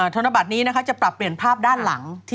ธนบัตรนี้นะคะจะปรับเปลี่ยนภาพด้านหลัง